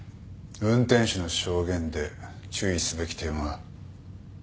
運転手の証言で注意すべき点は？